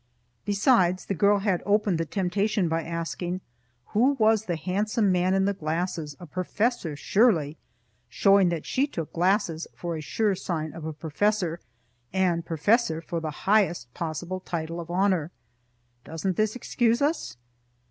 Besides, the girl had opened the temptation by asking, "Who was the handsome man in the glasses? A professor surely;" showing that she took glasses for a sure sign of a professor, and professor for the highest possible title of honor. Doesn't this excuse us?